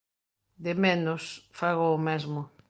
de menos, fago o mesmo.